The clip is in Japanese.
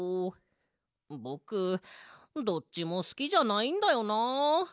ぼくどっちもすきじゃないんだよな。